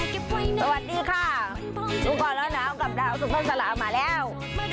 สวัสดีค่ะทุกคนร้อนน้ำกับดาวสุปสรรคมาแล้ว